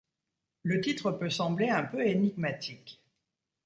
Le titre peut sembler un peu énigmatique.